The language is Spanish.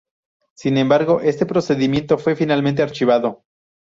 Sin embargo, este procedimiento fue finalmente archivado.